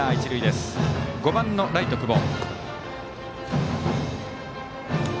５番のライト、久保。